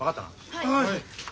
はい。